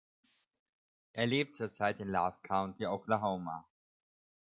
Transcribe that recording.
Er lebt zurzeit in Love County, Oklahoma.